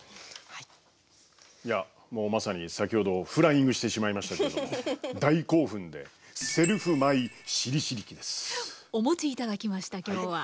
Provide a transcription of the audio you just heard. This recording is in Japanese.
いやもうまさに先ほどフライングしてしまいましたけど大興奮でお持ち頂きました今日は。